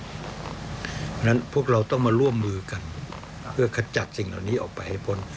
เพราะฉะนั้นพวกเราต้องมาร่วมมือกันเพื่อขจัดสิ่งเหล่านี้ออกไปให้พ้น